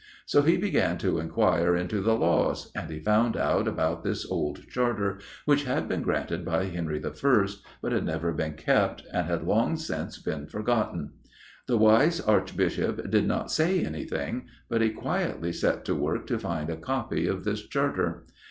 So he began to inquire into the laws, and he found out about this old Charter, which had been granted by Henry I., but had never been kept, and had long since been forgotten. The wise Archbishop did not say anything, but he quietly set to work to find a copy of this Charter.